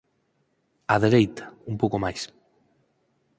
Á dereita, un pouco máis